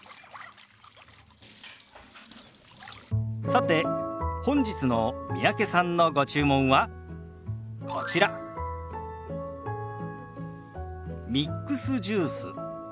さて本日の三宅さんのご注文はこちらミックスジュース。